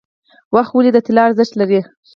وخت ولې د طلا ارزښت لري؟